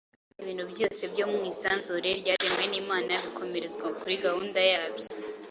kandi ibintu byose byo mu isanzure ryaremwe n’Imana bikomerezwa kuri gahunda yabyo